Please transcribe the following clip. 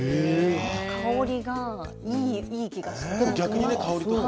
香りが、いい気がして。